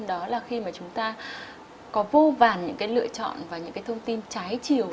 đó là khi chúng ta có vô vàn những lựa chọn và những thông tin trái chiều